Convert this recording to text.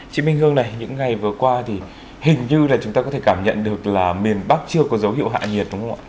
chị minh hương này những ngày vừa qua thì hình như là chúng ta có thể cảm nhận được là miền bắc chưa có dấu hiệu hạ nhiệt đúng không ạ